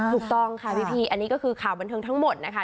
ถูกต้องค่ะพี่อันนี้ก็คือข่าวบันเทิงทั้งหมดนะคะ